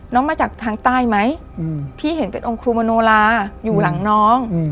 มาจากทางใต้ไหมพี่เห็นเป็นองค์ครูมโนลาอยู่หลังน้อง